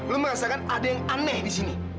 lo merasakan ada yang aneh di sini